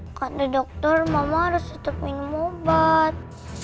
gak ada dokter mama harus tetep minum obat